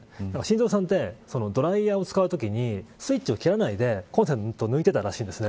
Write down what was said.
晋三さんってドライヤーを使ってスイッチを切らないでコンセントを抜いてたらしいんです。